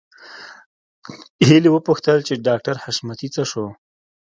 هيلې وپوښتل چې ډاکټر حشمتي څه شو